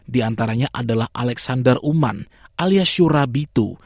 di antaranya adalah alexander uman alias shura bitu